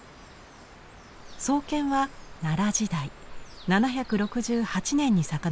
創建は奈良時代７６８年に遡ります。